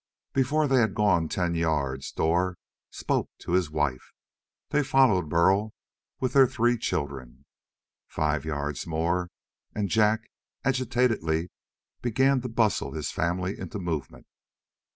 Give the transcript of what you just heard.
Before they had gone ten yards Dor spoke to his wife. They followed Burl, with their three children. Five yards more, and Jak agitatedly began to bustle his family into movement.